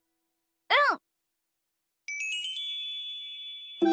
うん！